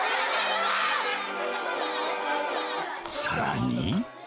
さらに。